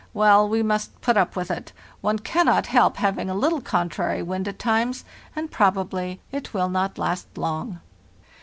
Well, we must put up with it; one cannot help having a little contrary wind at times, and probably it will not last long.